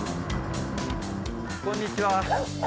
こんにちは。